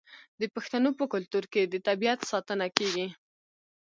د پښتنو په کلتور کې د طبیعت ساتنه کیږي.